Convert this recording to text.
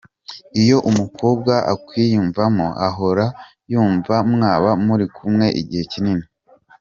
Iyo umukobwa akwiyumvamo ahora yumva mwaba muri kumwe igihe kinini.